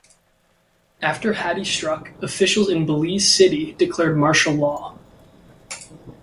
After Hattie struck, officials in Belize City declared martial law.